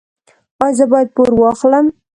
ایا زه باید پور واخلم؟